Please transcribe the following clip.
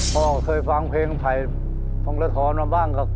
พ่อเคยฟังเพลงไผ่ภงศธรมาบ้างค่ะ